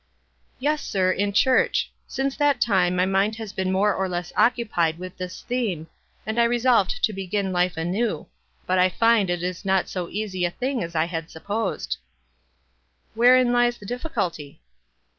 "Yes, sir, in church. Since that time my mind has been more or less occupied with this theme, and I resolved to begin life anew ; but I find it is not so easy a thing as I had sup posed." "Wherein lies the difficulty?"